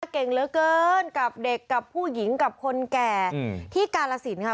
เก่งเหลือเกินกับเด็กกับผู้หญิงกับคนแก่ที่กาลสินค่ะ